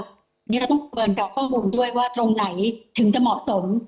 อันนี้เราต้องเปิดกับข้อมูลด้วยว่าตรงไหนถึงจะเหมาะสม